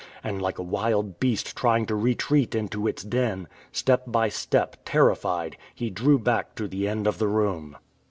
And like a wild beast trying to retreat into its den, step by step, terrified, he drew back to the end of the room.